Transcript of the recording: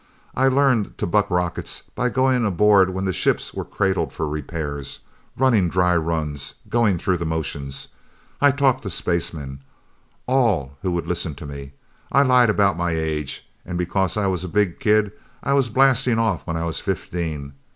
I learned to buck rockets by going aboard when the ships were cradled for repairs, running dry runs, going through the motions, I talked to spacemen all who would listen to me. I lied about my age, and because I was a big kid, I was blasting off when I was fifteen.